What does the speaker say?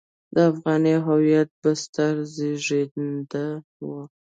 د افغاني هویت بستر زېږنده وو.